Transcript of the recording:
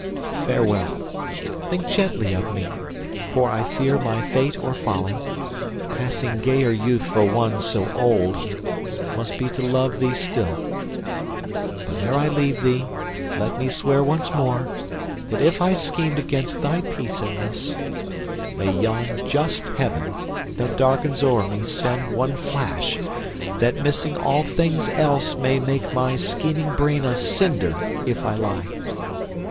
Farewell; think gently of me, for I fear My fate or folly, passing gayer youth For one so old, must be to love thee still. But ere I leave thee let me swear once more That if I schemed against thy peace in this, May yon just heaven, that darkens o'er me, send One flash, that, missing all things else, may make My scheming brain a cinder, if I lie."